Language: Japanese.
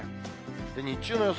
日中の予想